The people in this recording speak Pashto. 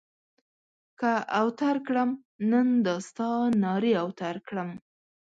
که اوتر کړم؛ نن دا ستا نارې اوتر کړم.